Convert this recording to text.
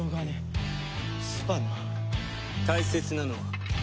大切なのは。